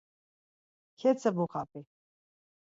Ketsebuǩap̌i.